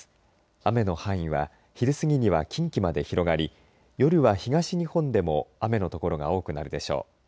雨の範囲は昼過ぎには近畿まで広がり夜は、東日本でも雨の所が多くなるでしょう。